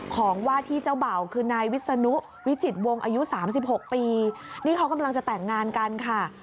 ของว่าที่เจ้าเบ่าคือนายวิศนุวิจิตวงอายุสามสิบหกปีนี่เขากำลังจะแต่งงานกันค่ะ